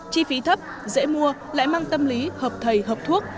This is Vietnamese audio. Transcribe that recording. chi phí thấp dễ mua lại mang tâm lý hợp thầy hợp thuốc